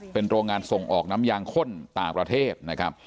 เป็นโรงงานส่งออกน้ำยางข้นต่างประเทศนะครับ